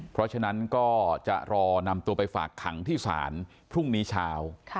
เพราะฉะนั้นก็จะรอนำตัวไปฝากขังที่ศาลพรุ่งนี้เช้า